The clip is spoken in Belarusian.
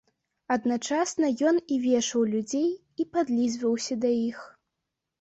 Адначасна ён і вешаў людзей і падлізваўся да іх.